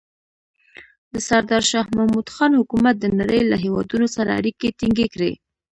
د سردار شاه محمود خان حکومت د نړۍ له هېوادونو سره اړیکې ټینګې کړې.